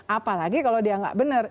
apalagi kalau dia nggak benar